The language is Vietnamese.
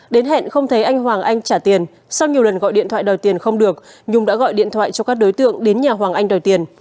đến hẹn không thấy anh hoàng anh trả tiền sau nhiều lần gọi điện thoại đòi tiền không được nhung đã gọi điện thoại cho các đối tượng đến nhà hoàng anh đòi tiền